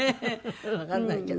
わかんないけど。